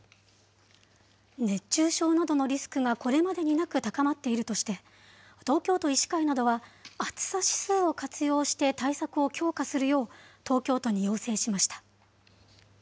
熱中症などのリスクがこれまでになく高まっているとして、東京都医師会などは、暑さ指数を活用して対策を強化するよう、東京都に要請しました。